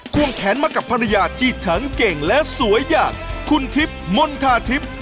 ควงแขนมากับภรรยาที่ทั้งเก่งและสวยอย่างคุณธิปมนทาธิป